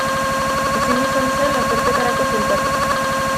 Ezin izan zen lasterketarako sailkatu.